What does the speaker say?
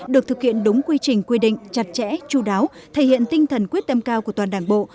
được thực hiện đúng quy trình quy định chặt chẽ chú đáo thể hiện tinh thần quyết tâm cao của toàn đảng bộ